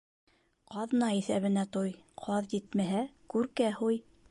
Ҡаҙна иҫәбенә туй, ҡаҙ етмәһә, күркә һуй.